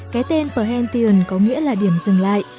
cái tên perhentian có nghĩa là điểm dừng lại